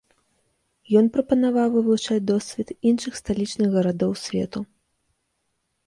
Ён прапанаваў вывучаць досвед іншых сталічных гарадоў свету.